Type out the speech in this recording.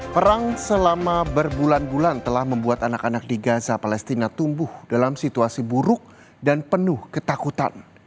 perang selama berbulan bulan telah membuat anak anak di gaza palestina tumbuh dalam situasi buruk dan penuh ketakutan